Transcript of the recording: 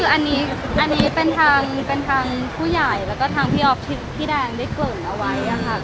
อันนี้เป็นทางผู้ใหญ่และทางพี่ออฟที่ได้เกริ่งเอาไว้